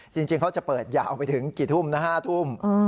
จริงเขาจะเปิดยาวไปถึงกี่ทุ่มนะฮะ๕ทุ่ม